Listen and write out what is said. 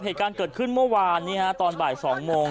เหตุการณ์เกิดขึ้นเมื่อวานนี้ตอนบ่าย๒โมง